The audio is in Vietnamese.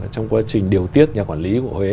trong quá trình điều tiết nhà quản lý của huế